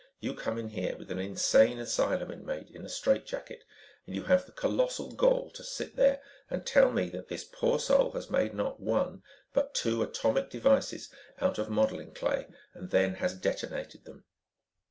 You come in here with an insane asylum inmate in a strait jacket and you have the colossal gall to sit there and tell me that this poor soul has made not one, but two atomic devices out of modeling clay and then has detonated them."